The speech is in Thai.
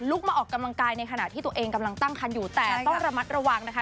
มาออกกำลังกายในขณะที่ตัวเองกำลังตั้งคันอยู่แต่ต้องระมัดระวังนะคะ